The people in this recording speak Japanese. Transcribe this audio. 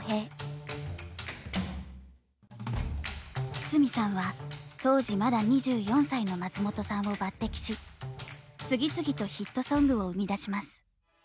筒美さんは当時まだ２４歳の松本さんを抜てきし次々とヒットソングを生み出します。